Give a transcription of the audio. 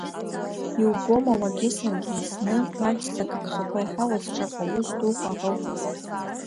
Иубома уаргьы саргьы зны маҷӡак агхақәа иҳауз шаҟа аус дуқәа ахылҵыз.